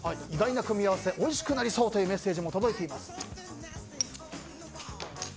意外な組み合わせおいしくなりそうというメッセージも届いています。